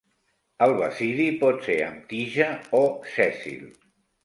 El basidi pot ser amb tija o sèssil.